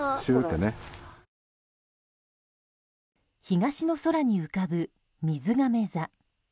東の空に浮かぶみずがめ座。